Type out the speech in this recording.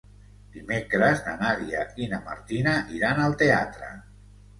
Dimecres na Nàdia i na Martina iran al teatre.